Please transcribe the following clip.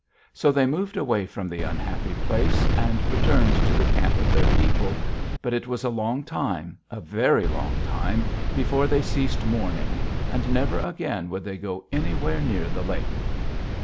So they moved away from the unhappy place and returned to the camp of their people, but it was a long time, a very long time, before they ceased mourning, and never again would they go anywhere near the lake.